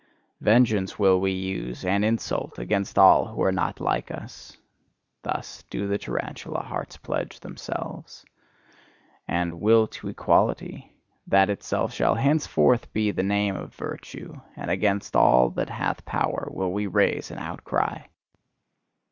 "Vengeance will we use, and insult, against all who are not like us" thus do the tarantula hearts pledge themselves. "And 'Will to Equality' that itself shall henceforth be the name of virtue; and against all that hath power will we raise an outcry!"